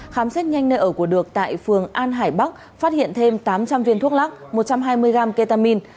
khám xét nhanh nơi ở của được tại phường an hải bắc phát hiện thêm tám trăm linh viên thuốc lắc một trăm hai mươi gram ketamine